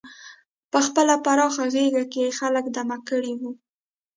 په خپله پراخه غېږه کې یې خلک دمه کړي وو.